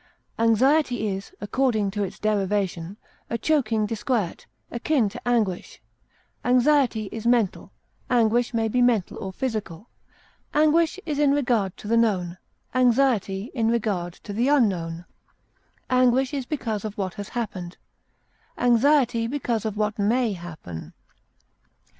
Anxiety is, according to its derivation, a choking disquiet, akin to anguish; anxiety is mental; anguish may be mental or physical; anguish is in regard to the known, anxiety in regard to the unknown; anguish is because of what has happened, anxiety because of what may happen.